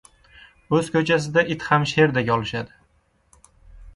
• O‘z ko‘chasida it ham sherdek olishadi.